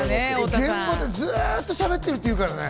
現場でずっとしゃべってるっていうからね。